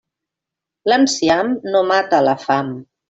L'enciam no mata la fam.